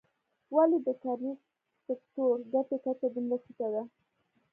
ولې د کرنیز سکتور ګټې کچه دومره ټیټه ده.